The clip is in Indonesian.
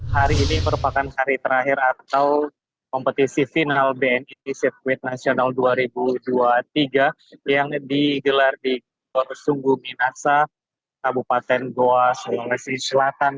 hari ini merupakan hari terakhir atau kompetisi final bni sirkuit nasional dua ribu dua puluh tiga yang digelar di gorsunggu minasa kabupaten goa sulawesi selatan